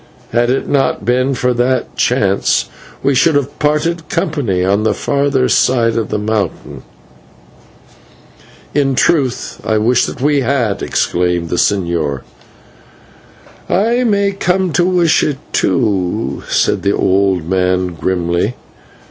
Had it not been for that chance, we should have parted company on the further side of the mountain." "In truth I wish that we had!" exclaimed the señor. "I may come to wish it, too," said the old man grimly.